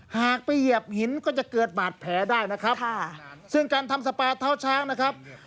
หากไปเหยียบหินก็จะเกิดบาดแผลได้นะครับค่ะซึ่งการทำสปาเท้าช้างนะครับ